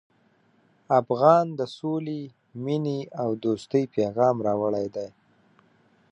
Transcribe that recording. افغان د سولې، مینې او دوستۍ پیغام راوړی دی.